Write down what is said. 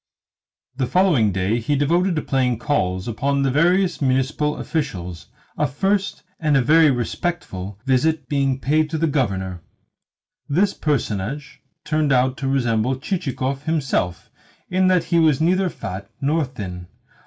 The following day he devoted to paying calls upon the various municipal officials a first, and a very respectful, visit being paid to the Governor. This personage turned out to resemble Chichikov himself in that he was neither fat nor thin.